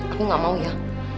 aku gak mau ya